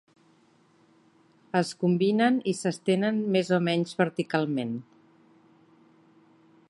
Es combinen i s'estenen més o menys verticalment.